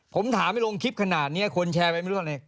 ผมถามให้ลงคลิปขนาดนี้คนแชร์ไปไม่รู้อะไร